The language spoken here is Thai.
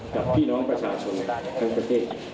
กับพี่น้องประชาชนทั้งประเทศ